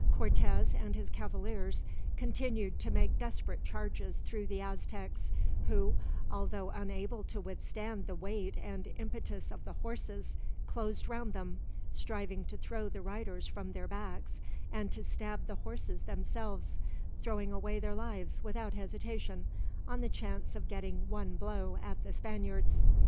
Cortez and his cavaliers continued to make desperate charges through the Aztecs, who, although unable to withstand the weight and impetus of the horses, closed round them, striving to throw the riders from their backs and to stab the horses themselves throwing away their lives without hesitation, on the chance of getting one blow at the Spaniards.